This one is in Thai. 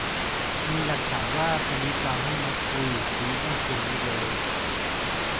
มีหลักฐานว่าทวีตตามให้นัดคุย ทวีตเมื่อคืนนี้เลย